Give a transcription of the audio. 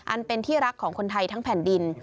อันเป็นที่รักของคนไทยทั้งแผ่นดิน